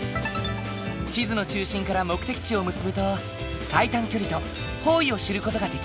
地図の中心から目的地を結ぶと最短距離と方位を知る事ができる。